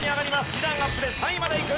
２段アップで３位までいく。